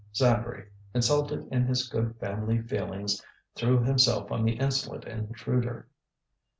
Zacharie, insulted in his good family feelings, threw himself on the insolent intruder.